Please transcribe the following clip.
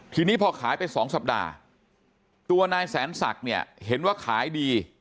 ทีนี้พอขายไป๒สัปดาห์ตัวนายแสนศักดิ์เนี่ยเห็นว่าขายดี